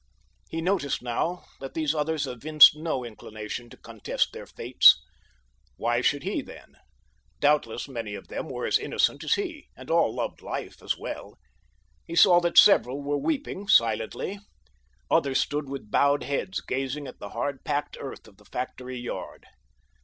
He noticed now that these others evinced no inclination to contest their fates. Why should he, then? Doubtless many of them were as innocent as he, and all loved life as well. He saw that several were weeping silently. Others stood with bowed heads gazing at the hard packed earth of the factory yard.